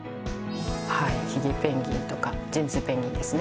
はいヒゲペンギンとかジェンツーペンギンですね